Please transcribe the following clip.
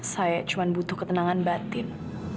saya cuma butuh ketenangan batin